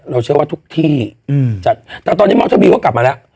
เราเชื่อว่าทุกที่อืมจัดแต่ตอนนี้เขากลับมาแล้ว